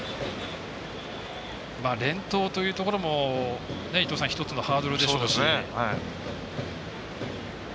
連投というところも１つのハードルでしょうし。